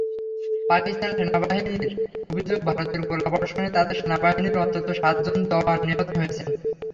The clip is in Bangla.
পাকিস্তান সেনাবাহিনীর অভিযোগ, ভারতের গোলাবর্ষণে তাদের সেনাবাহিনীর অন্তত সাতজন জওয়ান নিহত হয়েছেন।